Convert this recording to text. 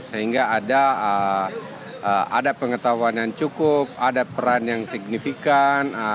sehingga ada pengetahuan yang cukup ada peran yang signifikan